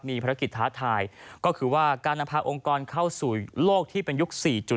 มีภารกิจท้าทายก็คือว่าการนำพาองค์กรเข้าสู่โลกที่เป็นยุค๔๐